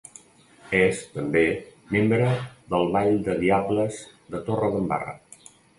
És, també, membre del Ball de Diables de Torredembarra.